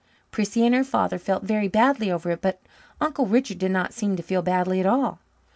Prissy and her father felt very badly over it, but Uncle Richard did not seem to feel badly at all.